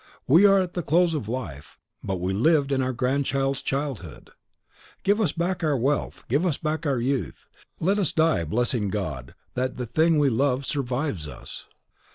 We are at the close of life, but we lived in our grandchild's childhood. Give us back our wealth, give us back our youth. Let us die blessing God that the thing we love survives us.